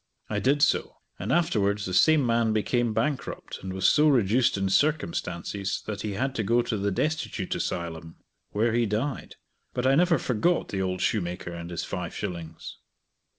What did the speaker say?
I did so, and afterwards the same man became bankrupt, and was so reduced in circumstances that he had to go to the Destitute Asylum, where he died; but I never forgot the old shoemaker and his five shillings.